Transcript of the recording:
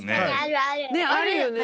あるよね。